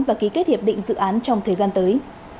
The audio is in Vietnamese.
và ký kết hiệp định dự án trong thời gian tới